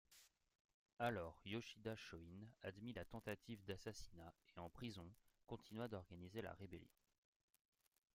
Alors, Yoshida Shōin admit la tentative d'assassinat, et en prison, continua d'organiser la rébellion.